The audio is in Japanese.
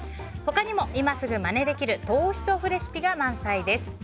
他にも今すぐまねできる糖質オフレシピが満載です。